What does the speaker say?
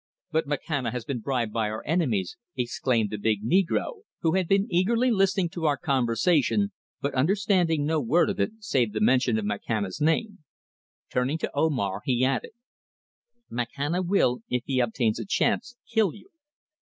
"But Makhana has been bribed by our enemies," exclaimed the big negro, who had been eagerly listening to our conversation, but understanding no word of it save the mention of Makhana's name. Turning to Omar he added: "Makhana will, if he obtains a chance, kill you.